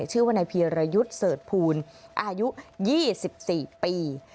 ชื่อว่านายเพียรยุทธ์เสิร์ชภูลอายุ๒๔ปี